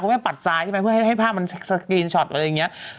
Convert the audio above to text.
แม่ปัดซ้ายใช่ไหมเพื่อให้ภาพมันสกรีนช็อตอะไรอย่างนี้